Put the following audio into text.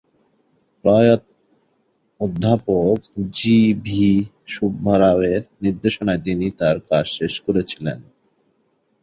প্রয়াত অধ্যাপক G V Subba রাওয়ের নির্দেশনায় তিনি তার কাজ শেষ করেছিলেন।